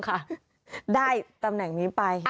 ได้ตำแหน่งนี้ไป